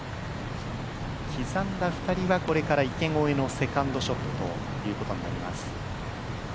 刻んだ２人はこれから池越えのセカンドショットということになります。